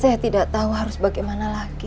saya tidak tahu harus bagaimana lagi